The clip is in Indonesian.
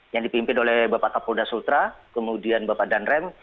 yang dipimpin oleh bapak kapolda sultra kemudian bapak danrem